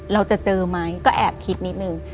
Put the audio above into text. เราจะเจอไหมก็แอบคิดนิดนึง